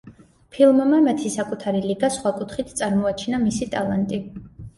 ფილმმა „მათი საკუთარი ლიგა“ სხვა კუთხით წარმოაჩინა მისი ტალანტი.